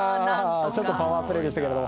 ちょっとパワープレーでしたけど。